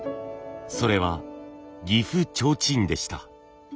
それは岐阜提灯でした。